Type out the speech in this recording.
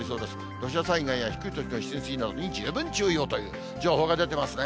土砂災害や低い土地の浸水などに十分注意をという情報が出ていますね。